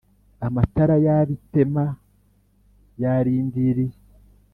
amatara y’ab’i tema yarindiriye,